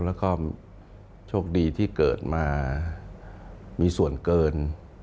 แล้วก็โชคดีที่เกิดมามีส่วนเกิน